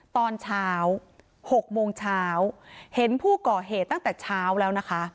ตอนเช้า๖โมงเช้าเห็นผู้ก่อเหตุตั้งแต่เช้าแล้วนะคะ